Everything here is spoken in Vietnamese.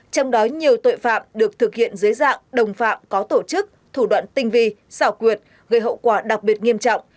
trong đó nhiều tội phạm được thực hiện dưới dạng đồng phạm có tổ chức thủ đoạn tinh vi xảo quyệt gây hậu quả đặc biệt nghiêm trọng